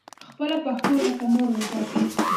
خپله پښتو لکه مور وساتئ